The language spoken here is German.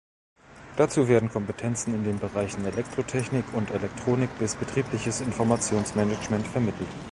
Dazu werden Kompetenzen in den Bereichen Elektrotechnik und Elektronik bis Betriebliches Informationsmanagement vermittelt.